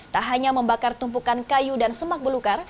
tak hanya membakar tumpukan kayu dan semak belukar